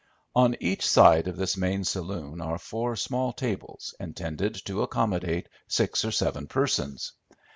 On each side of this main saloon are four small tables intended to accommodate six or seven persons.